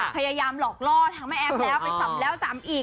พยายามหลอกล่อทางแม่แอฟแล้วไปสำแล้วสำอีก